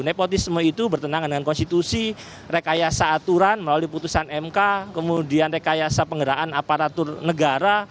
nepotisme itu bertentangan dengan konstitusi rekayasa aturan melalui putusan mk kemudian rekayasa penggeraan aparatur negara